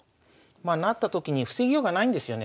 まあ成ったときに防ぎようがないんですよねこれね。